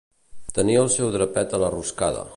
Tenir el seu drapet a la roscada.